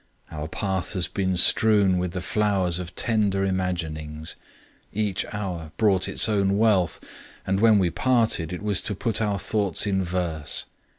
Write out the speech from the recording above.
Our path has been strewn with the flowers of tender imaginings. Each hour brought its own wealth, and when we parted, it was to put our thoughts in verse.